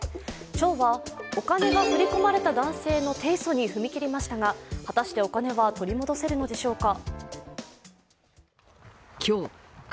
町は、お金が振り込まれた男性の提訴に踏み切りましたが、果たしてお金は取り戻せるのでしょうか